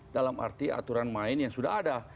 dalam arti aturan main yang sudah ada